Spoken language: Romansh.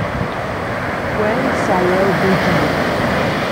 Quei saiel jeu buca dir.